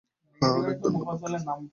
হ্যাঁ, অনেক ধন্যবাদ।